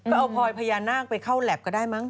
ก็เอาพลอยพญานาคไปเข้าแล็บก็ได้มั